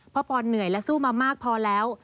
ปอนเหนื่อยและสู้มามากพอแล้ว